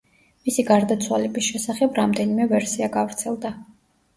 მისი გარდაცვალების შესახებ რამდენიმე ვერსია გავრცელდა.